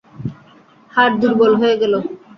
হাড় দুর্বল হয়ে গেল।